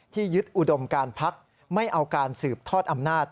ยึดอุดมการพักไม่เอาการสืบทอดอำนาจ